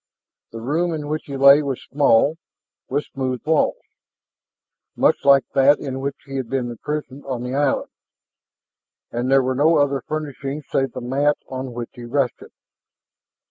The room in which he lay was small with smooth walls, much like that in which he had been imprisoned on the island. And there were no other furnishings save the mat on which he rested.